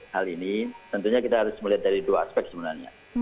hal ini tentunya kita harus melihat dari dua aspek sebenarnya